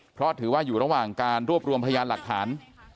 เพราะถือว่าอยู่ระหว่างการรวบรวมพยานหลักฐาน